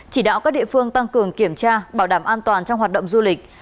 chỉ đạo các địa phương tăng cường kiểm tra bảo đảm an toàn trong hoạt động du lịch